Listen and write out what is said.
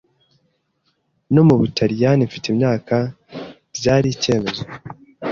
no mu Butaliyani mfite imyaka Byari icyemezo